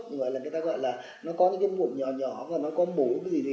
người ta gọi là nó có những mụn nhỏ nhỏ và nó có mú gì gì